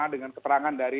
dengan keterangan dari